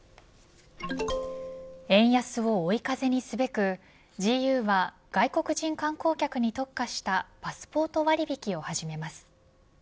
円安を追い風にすべくＧＵは、外国人観光客に特化したパスポート割引を始めます。